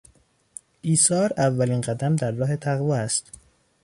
ایثار اولین قدم در راه تقوا است.